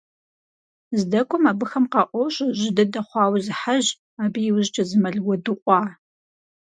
ЗдэкӀуэм абыхэм къаӀуощӀэ жьы дыдэ хъуауэ зы хьэжь, абы и ужькӀэ зы мэл уэдыкъуа.